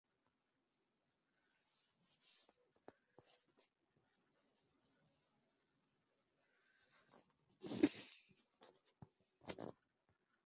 বল, তোর আর কি বলবার আছে।